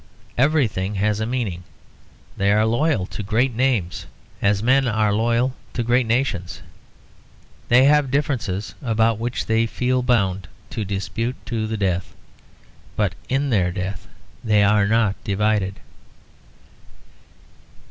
Everything has a meaning; they are loyal to great names as men are loyal to great nations; they have differences about which they feel bound to dispute to the death; but in their death they are not divided.